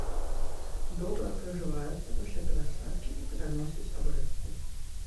Добра прыжываюцца пасля перасадкі і пераносяць абрэзку.